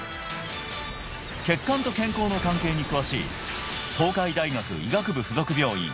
血管と健康の関係に詳しい東海大学医学部付属病院